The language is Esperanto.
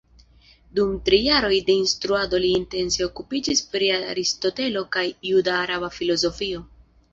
Dum tri jaroj de instruado li intense okupiĝis pri Aristotelo kaj juda-araba filozofio.